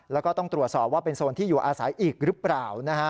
แล้วก็ต้องตรวจสอบว่าเป็นโซนที่อยู่อาศัยอีกหรือเปล่า